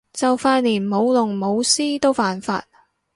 就快連舞龍舞獅都犯法